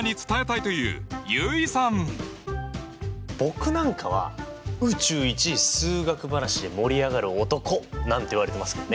僕なんかは宇宙一数学話で盛り上がる男なんて言われてますけどね。